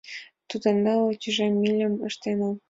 Шӱдӧ нылле тӱжем мильым ыштенам.